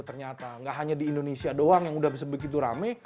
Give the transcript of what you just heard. ternyata tidak hanya di indonesia saja yang sudah begitu ramai